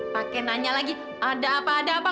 pak kenanya lagi ada apa ada apa